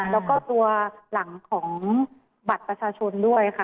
แล้วก็ตัวหลังของบัตรประชาชนด้วยค่ะ